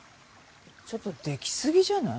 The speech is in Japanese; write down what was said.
ちょっとできすぎじゃない？